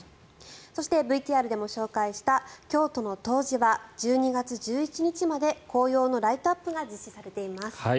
そしてＶＴＲでも紹介した京都の東寺は１２月１１日まで紅葉のライトアップが実施されています。